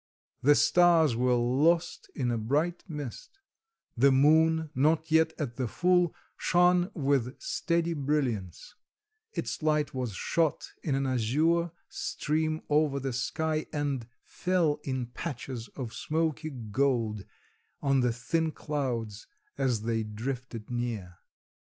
The stars were lost in a bright mist; the moon, not yet at the full, shone with steady brilliance; its light was shot in an azure stream over the sky, and fell in patches of smoky gold on the thin clouds as they drifted near.